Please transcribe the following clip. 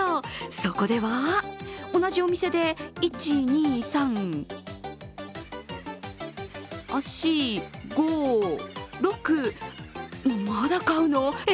そこでは同じお店で、１、２、３４、５、６まだ買うの？え？